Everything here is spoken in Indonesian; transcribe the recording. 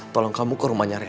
tolong kamu ke rumahnya rem